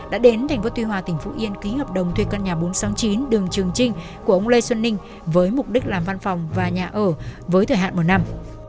đã đến tp tuy hòa tỉnh phú yên ký hợp đồng thuê căn nhà bốn trăm sáu mươi chín đường trường trinh của ông lê xuân ninh với mục đích làm văn phòng và nhà ở với thời hạn một năm